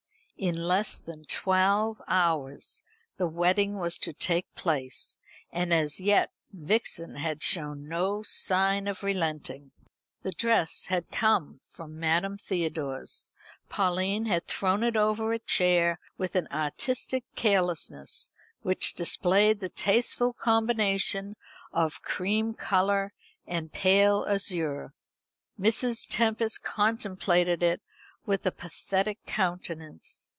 In less than twelve hours the wedding was to take place; and as yet Vixen had shown no sign of relenting. The dress had come from Madame Theodore's. Pauline had thrown it over a chair, with an artistic carelessness which displayed the tasteful combination of cream colour and pale azure. Mrs. Tempest contemplated it with a pathetic countenance.